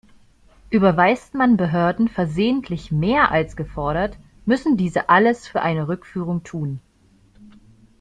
Überweist man Behörden versehentlich mehr als gefordert, müssen diese alles für eine Rückführung tun.